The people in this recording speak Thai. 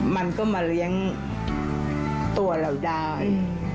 มันก็มาเลี้ยงตัวเราได้